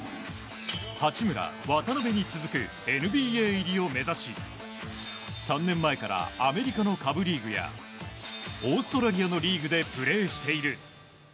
八村、渡邊に続くＮＢＡ入りを目指し３年前からアメリカの下部リーグやオーストラリアのリーグでプレーしている。